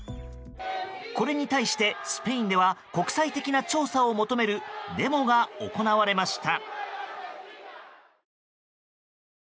これに対してスペインでは国際的な調査を求めるデモが行われました。